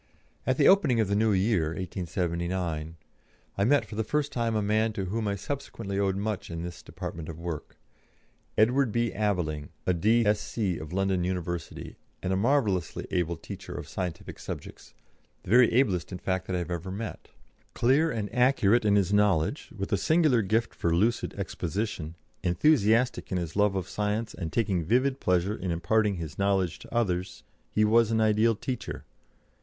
At the opening of the new year (1879) I met for the first time a man to whom I subsequently owed much in this department of work Edward B. Aveling, a D.Sc. of London University, and a marvellously able teacher of scientific subjects, the very ablest, in fact, that I have ever met. Clear and accurate in his knowledge, with a singular gift for lucid exposition, enthusiastic in his love of science, and taking vivid pleasure in imparting his knowledge to others, he was an ideal teacher.